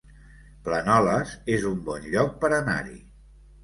Planoles es un bon lloc per anar-hi